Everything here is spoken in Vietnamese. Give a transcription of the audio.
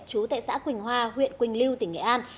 trú tại xã quỳnh hòa huyện quỳnh lưu tỉnh nghệ an